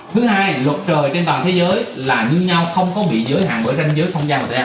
thứ hai luật trời trên toàn thế giới là như nhau không có bị giới hạn bởi ranh giới không gian hoặc tài năng